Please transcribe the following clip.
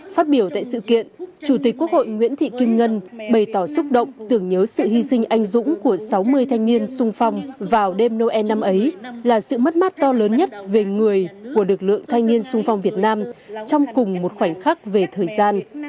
phát biểu tại sự kiện chủ tịch quốc hội nguyễn thị kim ngân bày tỏ xúc động tưởng nhớ sự hy sinh anh dũng của sáu mươi thanh niên sung phong vào đêm noel năm ấy là sự mất mát to lớn nhất về người của lực lượng thanh niên sung phong việt nam trong cùng một khoảnh khắc về thời gian